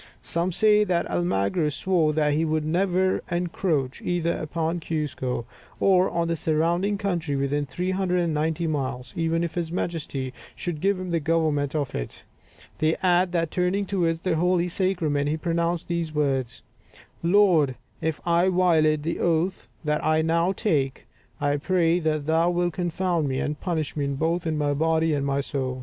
Some say that Almagro swore that he would never encroach either upon Cuzco or on the surrounding country within 390 miles, even if his Majesty should give him the government of it. They add that turning towards the holy sacrament, he pronounced these words, "Lord, if I violate the oath that I now take, I pray that Thou wilt confound me, and punish me both in my body and my soul!"